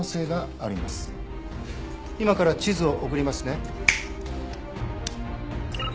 今から地図を送りますね。